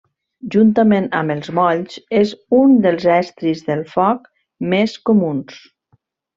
Juntament amb els molls, és un dels estris del foc més comuns.